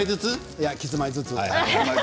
いや、キスマイずつ。